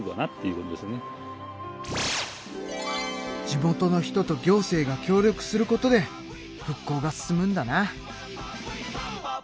地元の人と行政が協力することで復興が進むんだな。